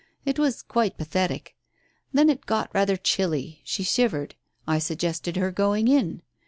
It was quite pathetic. Then it got rather chilly — she shivered — I suggested her going in.